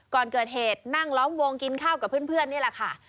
ก่อนเกิดเหตุนั่งล้อมวงกินข้าวกับเพื่อนนี่แหละค่ะ